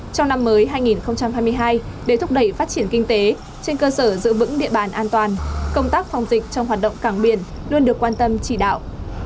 trong năm mới hai nghìn hai mươi hai để thúc đẩy phát triển kinh tế trên cơ sở giữ vững địa bàn an toàn công tác phòng dịch trong hoạt động cảng biển luôn được quan tâm chỉ đạo